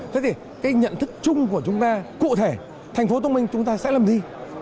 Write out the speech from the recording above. thế thì cái nhận thức chung của chúng ta cụ thể tp thông minh chúng ta sẽ làm gì